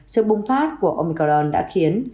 sự bùng phát của omicron đã khiến